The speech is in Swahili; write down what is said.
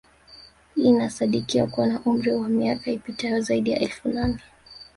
Hii inasadikika kuwa na umri wa miaka ipitayo zaidi ya elfu nane